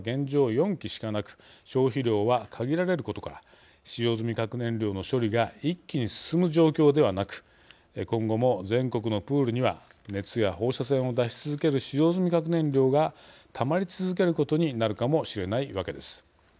４基しかなく消費量は限られることから使用済み核燃料の処理が一気に進む状況ではなく今後も、全国のプールには熱や放射線を出し続ける使用済み核燃料がたまり続けることになるかもしれないわけです。